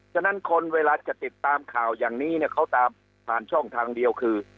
ฉะนั้นคนเวลาจะติดตามข่าวอย่างนี้เนี่ยเขาตามผ่านช่องทางเดียวคือ